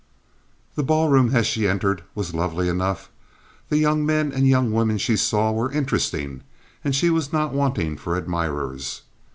The ball room, as she entered, was lovely enough. The young men and young women she saw there were interesting, and she was not wanting for admirers.